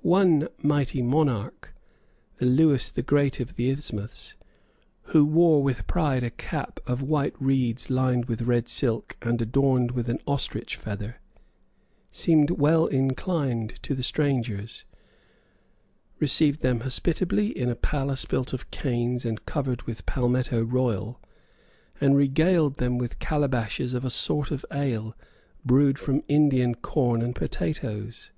One mighty monarch, the Lewis the Great of the isthmus, who wore with pride a cap of white reeds lined with red silk and adorned with an ostrich feather, seemed well inclined to the strangers, received them hospitably in a palace built of canes and covered with palmetto royal, and regaled them with calabashes of a sort of ale brewed from Indian corn and potatoes.